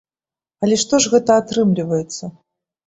Але што ж гэта атрымліваецца?